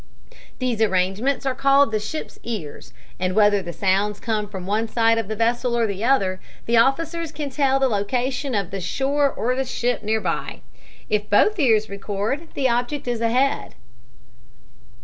These arrangements are called the ship's ears, and whether the sounds come from one side of the vessel or the other, the officers can tell the location of the shore or ship near by. If both ears record, the object is ahead.